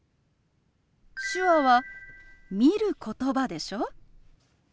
手話は見る言葉でしょ？